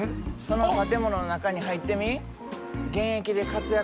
その建物の中に入ってみ？